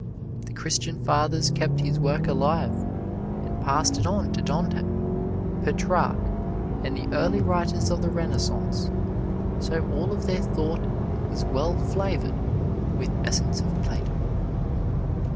The Christian Fathers kept his work alive, and passed it on to Dante, Petrarch and the early writers of the Renaissance, so all of their thought is well flavored with essence of Plato.